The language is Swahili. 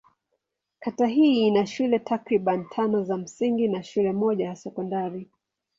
Kata hii ina shule takriban tano za msingi na shule moja ya sekondari.